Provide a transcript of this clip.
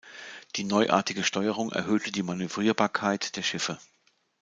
Die neuartige Steuerung erhöhte die Manövrierbarkeit der Schiffe.